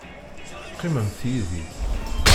Qqimemt yid-i.